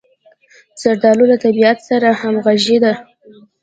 زردالو له طبعیت سره همغږې ده.